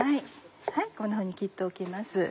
こんなふうに切っておきます。